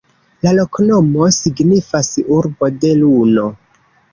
La loknomo signifas: Urbo de Luno.